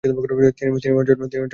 তিনি ওই অঞ্চলের প্রথম নারী শিক্ষক।